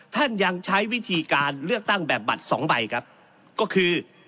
ท่านยังใช้วิธีการเลือกตั้งแบบบัตรสองใบครับก็คือ